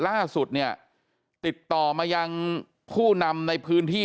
ล่าสุดเนี่ยติดต่อมายังผู้นำในพื้นที่